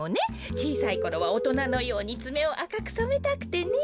ちいさいころはおとなのようにつめをあかくそめたくてね。